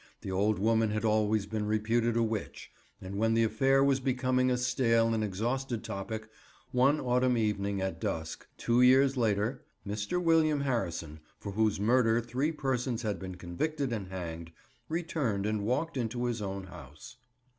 The old woman had always been reputed a witch. And when the affair was becoming a stale and exhausted topic, one autumn evening at dusk, two years later, Mr. William Harrison, for whose murder three persons had been convicted and hanged, returned and walked into his own house.